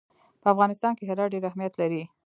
په افغانستان کې هرات ډېر اهمیت لري.